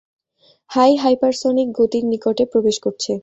High-hypersonic গতির নিকটে প্রবেশ করছে।